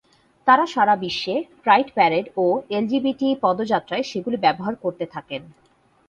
তাঁরা সারা বিশ্বে প্রাইড প্যারেড ও এলজিবিটি পদযাত্রায় সেগুলি ব্যবহার করতে থাকেন।